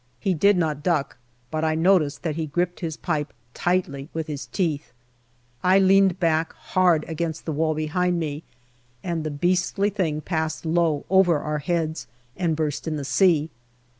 He did not duck, but I noticed that he gripped his pipe tightly with his teeth. I leant hard against the wall behind me, and the beastly thing passed low over our v heads and burst in the sea.